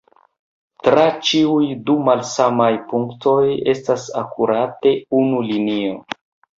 Tra ĉiuj du malsamaj punktoj estas akurate unu linio.